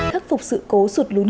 thắc phục sự cố suốt lún